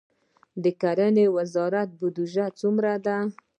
د کرنې وزارت بودیجه څومره ده؟